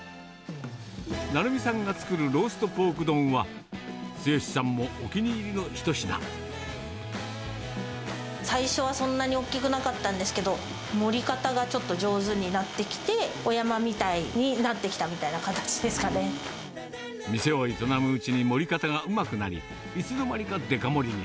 成美さんが作るローストポーク丼は、最初はそんなに大きくなかったんですけど、盛り方がちょっと上手になってきて、お山みたいになってきたみた店を営むうちに、盛り方がうまくなり、いつのまにかデカ盛りに。